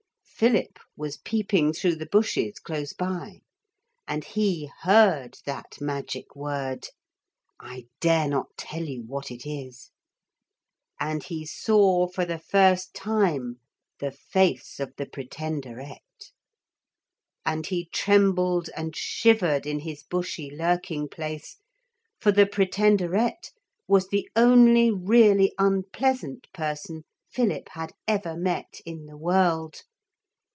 Philip was peeping through the bushes close by, and he heard that magic word (I dare not tell you what it is) and he saw for the first time the face of the Pretenderette. And he trembled and shivered in his bushy lurking place. For the Pretenderette was the only really unpleasant person Philip had ever met in the world.